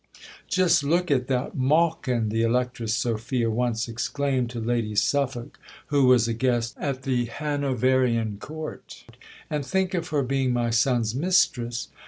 "Just look at that mawkin," the Electress Sophia once exclaimed to Lady Suffolk, who was a guest at the Hanoverian Court, "and think of her being my son's mistress!"